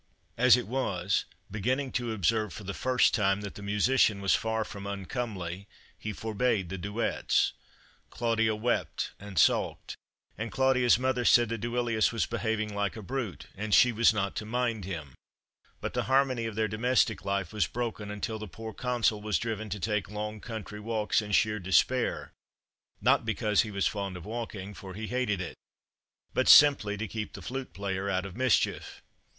As it was, beginning to observe for the first time that the musician was far from uncomely, he forbade the duets. Claudia wept and sulked, and Claudia's mother said that Duilius was behaving like a brute, and she was not to mind him; but the harmony of their domestic life was broken, until the poor Consul was driven to take long country walks in sheer despair, not because he was fond of walking, for he hated it, but simply to keep the flute player out of mischief.